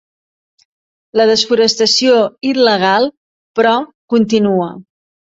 La desforestació il·legal, però, continua.